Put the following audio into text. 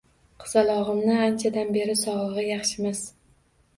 Qizalog'imni anchadan beri sog'lig'i yaxshimas